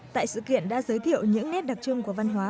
tại sự kiện đã giới thiệu những nét đặc trưng của văn hóa